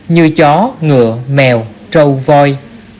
như chó ngựa mèo trâu voi